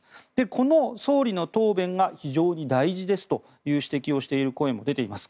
この総理の答弁が非常に大事ですと指摘をしている声もあります。